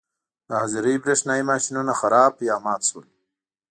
د حاضرۍ برېښنايي ماشینونه خراب یا مات شول.